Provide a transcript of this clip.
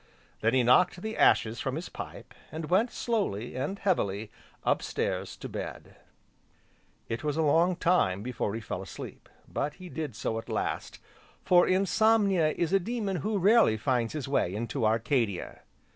Then he knocked the ashes from his pipe, and went, slowly, and heavily, up stairs to bed. It was a long time before he fell asleep, but he did so at last, for Insomnia is a demon who rarely finds his way into Arcadia.